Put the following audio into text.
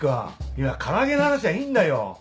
今唐揚げの話はいいんだよ！